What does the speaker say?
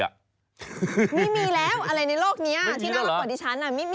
ไม่มีแล้วอะไรในโลกนี้ที่น่ารักกว่าดิฉัน